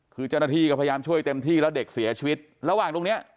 คือเจ้าหน้าที่ก็พยายามช่วยเต็มที่แล้วเด็กเสียชีวิต